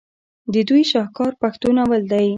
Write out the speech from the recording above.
د دوي شاهکار پښتو ناول دے